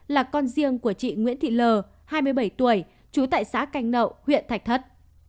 là con riêng của chị nguyễn thị l hai mươi bảy tuổi trú tại xã canh nậu huyện thạch thất